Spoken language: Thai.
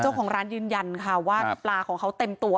เจ้าของร้านยืนยันค่ะว่าปลาของเขาเต็มตัว